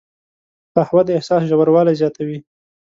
قهوه د احساس ژوروالی زیاتوي